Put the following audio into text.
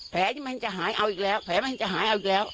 ที่มันจะหายเอาอีกแล้วแผลมันจะหายเอาอีกแล้ว